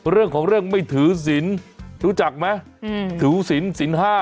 เรื่องของเรื่องไม่ถือสินรู้จักไหมอืมถือสินสินห้า